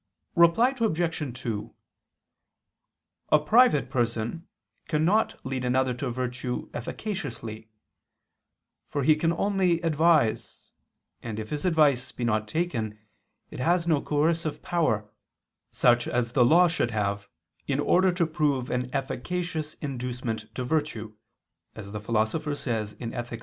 Reply Obj. 2: A private person cannot lead another to virtue efficaciously: for he can only advise, and if his advice be not taken, it has no coercive power, such as the law should have, in order to prove an efficacious inducement to virtue, as the Philosopher says (Ethic.